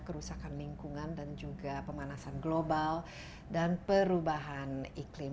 kerusakan lingkungan dan juga pemanasan global dan perubahan iklim